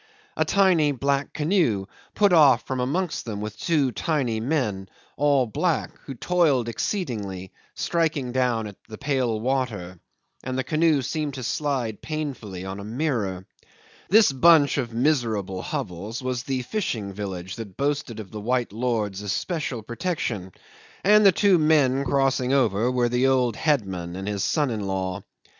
A tiny black canoe put off from amongst them with two tiny men, all black, who toiled exceedingly, striking down at the pale water: and the canoe seemed to slide painfully on a mirror. This bunch of miserable hovels was the fishing village that boasted of the white lord's especial protection, and the two men crossing over were the old headman and his son in law.